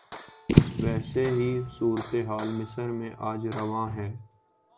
ویسی ہی صورتحال مصر میں آج روا ہے۔